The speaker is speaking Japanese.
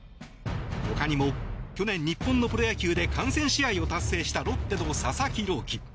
他にも去年、日本のプロ野球で完全試合を達成したロッテの佐々木朗希。